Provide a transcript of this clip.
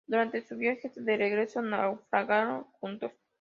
Durante su viaje de regreso, naufragaron juntos.